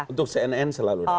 untuk cnn selalu datang